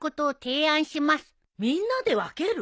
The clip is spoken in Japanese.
みんなで分ける？